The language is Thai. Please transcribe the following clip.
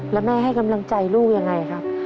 แล้วแม่ให้กำลังใจลูกยังไงครับ